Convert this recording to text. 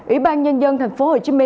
ủy ban nhân dân tp hcm